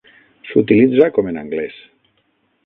S'utilitza com en anglès.